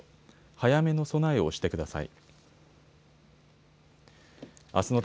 早めの備えをしてください。